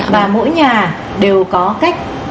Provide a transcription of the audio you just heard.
và mỗi nhà đều có cách